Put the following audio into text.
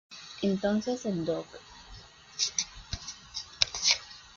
Entonces, el Doc.